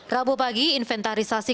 rabu pagi inventarisasi